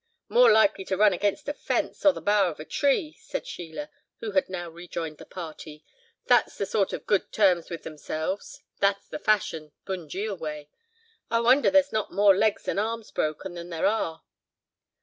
"More likely to run against a fence, or the bough of a tree," said Sheila, who had now rejoined the party, "that's the sort of 'good terms with themselves,' that's the fashion, Bunjil way. I wonder there's not more legs and arms broken than there are."